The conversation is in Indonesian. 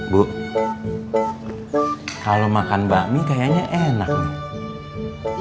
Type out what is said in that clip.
bu kalau makan bakmi kayaknya enak nih